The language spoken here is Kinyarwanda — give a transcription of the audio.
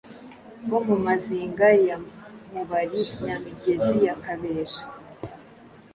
bo mu Mazinga ya Mubari, Nyamigezi ya Kabeja.